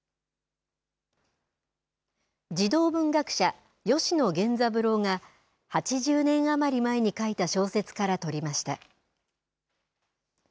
児童文学者、吉野源三郎が８０年余り前に書いた小説からとりました。